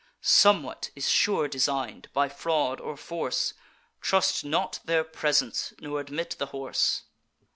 Somewhat is sure design'd, by fraud or force: Trust not their presents, nor admit the horse.